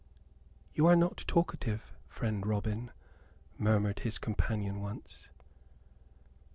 "You are not talkative, friend Robin," murmured his companion once.